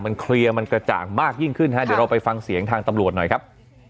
มันเคลียร์มันกระจ่างมากยิ่งขึ้นฮะเดี๋ยวเราไปฟังเสียงทางตำรวจหน่อยครับ